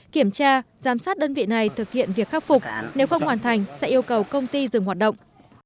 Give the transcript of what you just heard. kiểm tra giám sát đơn vị này thực hiện việc khắc phục nếu không hoàn thành sẽ yêu cầu công ty dừng hoạt động